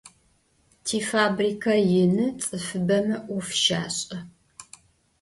Tifabrike yinı, ts'ıfıbeme 'of şaş'e.